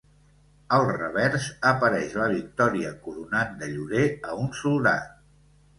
Al revers apareix la victòria coronant de llorer a un soldat.